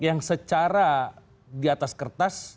yang secara di atas kertas